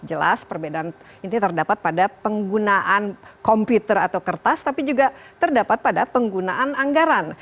jelas perbedaan ini terdapat pada penggunaan komputer atau kertas tapi juga terdapat pada penggunaan anggaran